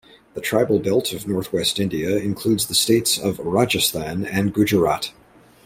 The Tribal Belt of Northwest India includes the states of Rajasthan and Gujarat.